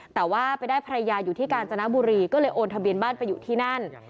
แต่ว่าไปได้ภรรยาอยู่ที่กาญจนบุรีก็เลยโอนทะเบียนบ้านไปอยู่ที่นั่น